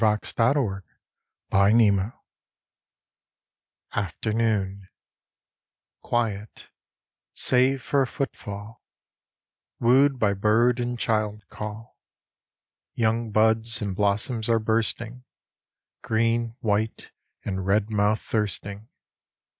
62 IN THE NET OF THE STARS Afternoon _ Save for a footfall Wooed by Bird and child call. Young buds And blossom are bursting Green, white And red mouth thirsting.